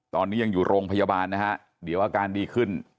ตอนนี้ยังอยู่โรงพยาบาลนะฮะเดี๋ยวอาการดีขึ้น